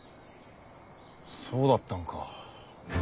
そうだったんか。